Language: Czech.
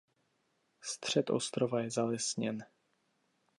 Střed ostrova je zalesněn.